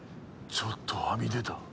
ちょっとはみ出た。